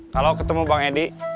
kalau ketemu bang edi